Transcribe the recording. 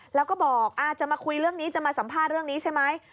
แล้วก็บอกจะมาคุยเรื่องนี้จะมาสัมภาษณ์เรื่องนี้ใช่ไหม